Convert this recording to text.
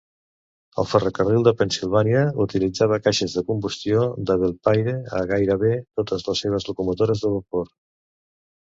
El Ferrocarril de Pennsilvània utilitzava caixes de combustió de Belpaire a gairebé totes les seves locomotores de vapor.